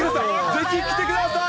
ぜひ来てください。